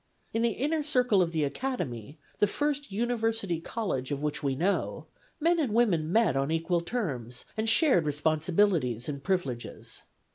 In the inner circle of the Academy, the first University College of which we know, men and women met on equal terms, and shared responsiblities and privileges.